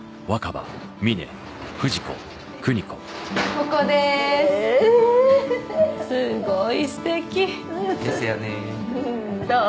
ここでーすへえーすごいすてきですよねどう？